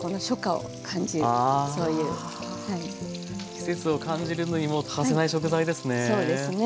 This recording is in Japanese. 季節を感じるのにも欠かせない食材ですね。